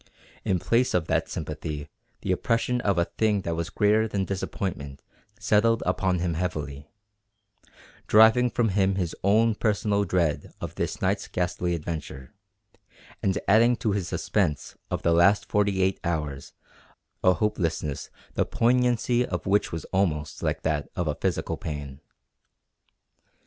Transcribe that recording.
In place of that sympathy the oppression of a thing that was greater than disappointment settled upon him heavily, driving from him his own personal dread of this night's ghastly adventure, and adding to his suspense of the last forty eight hours a hopelessness the poignancy of which was almost like that of a physical pain.